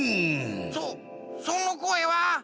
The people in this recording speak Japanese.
そそのこえは。